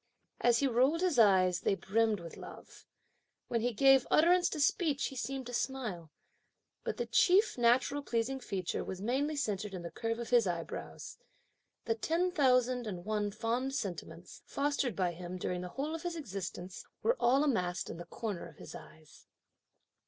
As he rolled his eyes, they brimmed with love. When he gave utterance to speech, he seemed to smile. But the chief natural pleasing feature was mainly centred in the curve of his eyebrows. The ten thousand and one fond sentiments, fostered by him during the whole of his existence, were all amassed in the corner of his eyes.